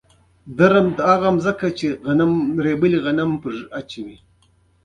هو، دا خبیثان. زما ځواب و، چې په غوسه وو.